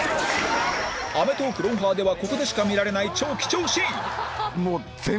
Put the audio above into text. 『アメトーーク』×『ロンハー』ではここでしか見られない超貴重シーン